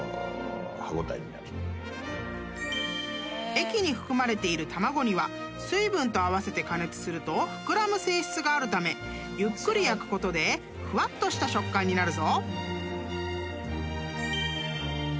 ［液に含まれている卵には水分と合わせて加熱すると膨らむ性質があるためゆっくり焼くことでふわっとした食感になるぞ］